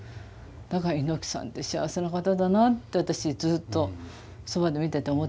だから猪木さんって幸せな方だなって私ずっとそばで見てて思ってました。